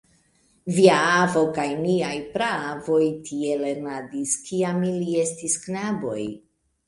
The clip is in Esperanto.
Via avo kaj niaj praavoj tie lernadis, kiam ili estis knaboj.